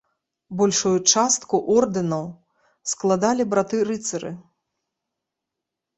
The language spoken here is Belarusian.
Большую частку ордэнаў складалі браты-рыцары.